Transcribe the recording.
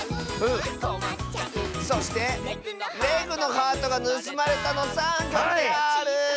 そして「レグのハートがぬすまれた！」の３きょくである！